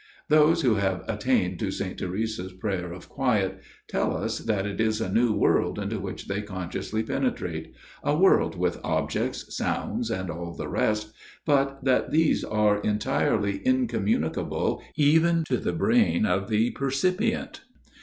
" Those who have attained to Saint Teresa's Prayer of Quiet tell us that it is a new world into which they consciously penetrate a world with objects, sounds and all the rest but that these are entirely incommunicable even to the brain of the percipient.